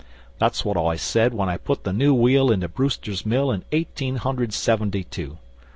'That's what I said when I put the new wheel into Brewster's Mill in Eighteen hundred Seventy two.